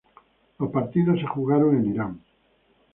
Los partidos se jugaron en Irán.